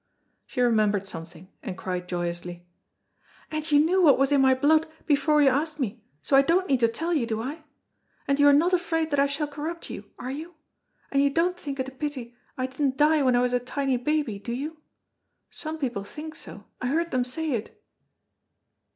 She remembered something and cried joyously, "And you knew what was in my blood before you asked me, so I don't need to tell you, do I? And you are not afraid that I shall corrupt you, are you? And you don't think it a pity I didn't die when I was a tiny baby, do you? Some people think so, I heard them say it."